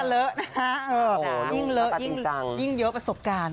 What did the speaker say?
โอ้โหลูกประจำจังยิ่งเลอะยิ่งเยอะประสบการณ์